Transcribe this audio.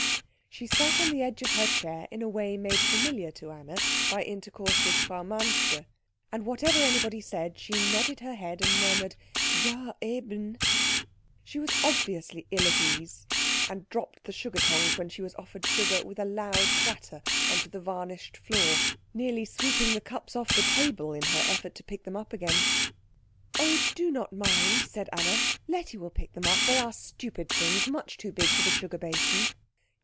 She sat on the edge of her chair in a way made familiar to Anna by intercourse with Frau Manske, and whatever anybody said she nodded her head and murmured "Ja, eben." She was obviously ill at ease, and dropped the sugar tongs when she was offered sugar with a loud clatter on to the varnished floor, nearly sweeping the cups off the table in her effort to pick them up again. "Oh, do not mind," said Anna, "Letty will pick them up. They are stupid things much too big for the sugar basin."